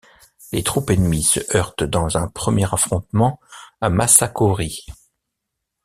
Les troupes ennemies se heurtent dans un premier affrontement à Massakory.